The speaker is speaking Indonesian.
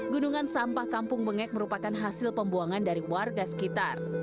gunungan sampah kampung bengek merupakan hasil pembuangan dari warga sekitar